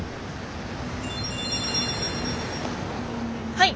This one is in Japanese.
はい。